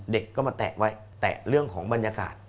เด็กก็มาแตะไว้แตะเรื่องของบรรยากาศ